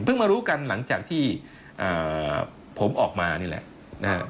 เพิ่งมารู้กันหลังจากที่ผมออกมานี่แหละ